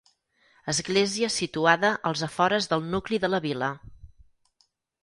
Església situada als afores del nucli de la vila.